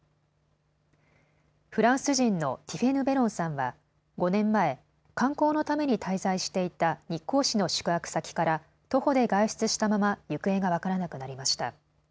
フランス人のティフェヌ・ベロンさんは５年前、観光のために滞在していた日光市の宿泊先から徒歩で外出したまま行方が分からなくなりました。